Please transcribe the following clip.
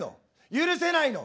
許せないの？